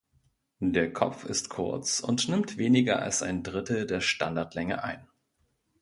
Der Kopf ist kurz und nimmt weniger als ein Drittel der Standardlänge ein.